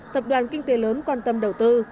tập đoàn kinh tế lớn quan tâm đầu tư